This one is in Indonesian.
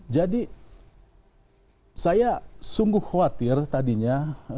jadi saya sungguh khawatir tadinya